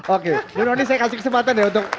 oke dononi saya kasih kesempatan